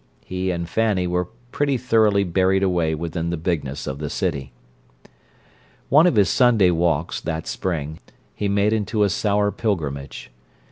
He and Fanny were pretty thoroughly buried away within the bigness of the city. One of his Sunday walks, that spring, he made into a sour pilgrimage.